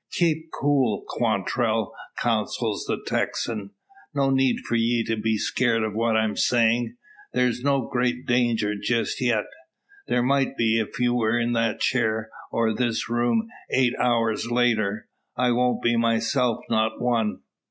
"Keep cool, Quantrell!" counsels the Texan. "No need for ye to be scared at what I'm sayin'. Thar's no great danger jest yet. There might be, if you were in that chair, or this room, eight hours later. I won't be myself, not one.